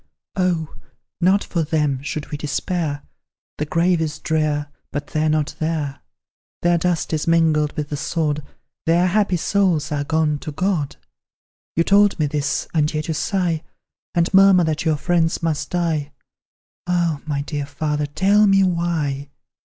"Oh! not for them, should we despair, The grave is drear, but they are not there; Their dust is mingled with the sod, Their happy souls are gone to God! You told me this, and yet you sigh, And murmur that your friends must die. Ah! my dear father, tell me why?